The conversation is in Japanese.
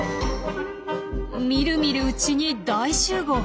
みるみるうちに大集合！